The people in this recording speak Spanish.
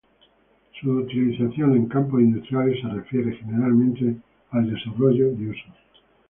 Su utilización en campos industriales se refiere generalmente desarrollo y uso.